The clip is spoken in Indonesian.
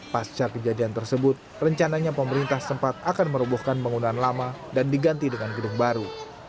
pasca kejadian tersebut rencananya pemerintah sempat akan merobohkan bangunan lama dan diganti dengan gedung baru